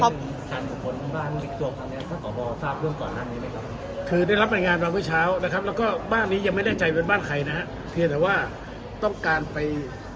ก็เขาแรงงานมานะครับเขาแรงงานมาเมื่อเช้าว่ามีการเข้าไป